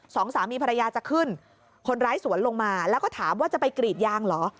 สองสามีภรรยาจะขึ้นคนร้ายสวนลงมาแล้วก็ถามว่าจะไปกรีดยางเหรอ